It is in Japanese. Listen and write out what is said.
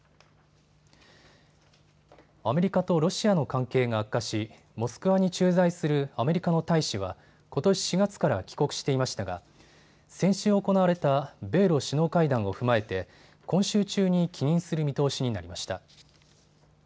アメリカとロシアの関係が悪化しモスクワに駐在するアメリカの大使は、ことし４月から帰国していましたが先週、行われた米ロ首脳会談を踏まえて今週中に帰任する見通しになりました。